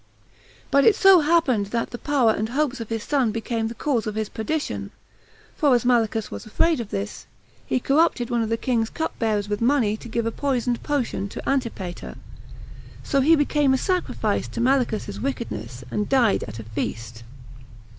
But it so happened that the power and hopes of his son became the cause of his perdition; for as Malichus was afraid of this, he corrupted one of the king's cup bearers with money to give a poisoned potion to Antipater; so he became a sacrifice to Malichus's wickedness, and died at a feast.